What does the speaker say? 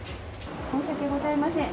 申し訳ございません。